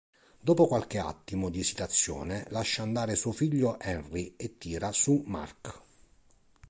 Dopo qualche attimo di esitazione, lascia andare suo figlio Henry e tira su Mark.